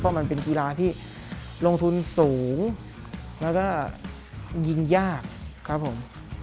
เพราะมันเป็นกีฬาที่ลงทุนสูงแล้วก็ยิงยากครับผม